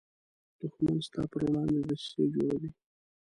دښمن ستا پر وړاندې دسیسې جوړوي